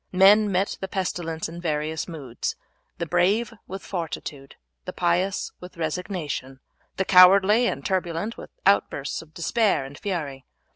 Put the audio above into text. Men met the pestilence in various moods: the brave with fortitude, the pious with resignation, the cowardly and turbulent with outbursts of despair and fury.